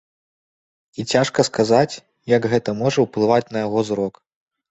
І цяжка сказаць, як гэта можа ўплываць на яго зрок.